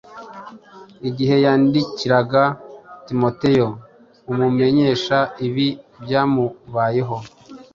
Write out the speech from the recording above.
Igihe yandikiraga Timoteyo amumenyesha ibi byamubayeho,